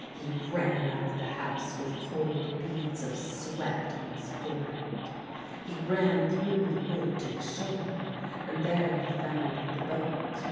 He ran out of the house with cold beads of sweat on his forehead. He ran through the wood to the shore, and there he found the boat.